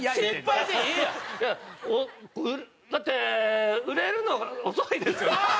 いやだって売れるの遅いですよね？